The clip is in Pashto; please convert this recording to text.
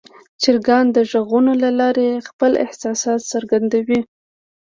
چرګان د غږونو له لارې خپل احساسات څرګندوي.